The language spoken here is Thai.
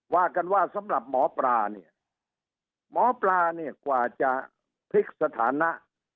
ว่ากันว่าสำหรับหมอปลาเนี่ยหมอปลาเนี่ยกว่าจะพลิกสถานะ